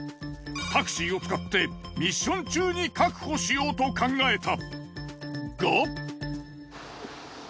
タクシーを使ってミッション中に確保しようと考えた。